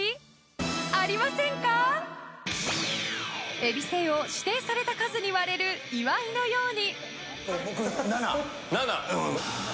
えびせんを指定された数に割れる岩井のように。